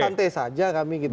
santai saja kami gitu